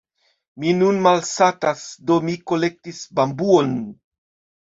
Mi nun malsatas, do mi kolektis bambuon.